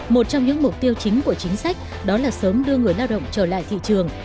một trong những mục tiêu chính của chính sách đó là sớm đưa người lao động trở lại thị trường